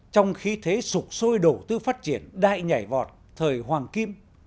trong khí thế sụt sôi đổ tư phát triển đại nhảy vọt thời hoàng kim